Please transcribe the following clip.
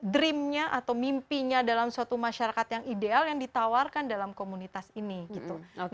dreamnya atau mimpinya dalam suatu masyarakat yang ideal yang ditawarkan dalam komunitas ini gitu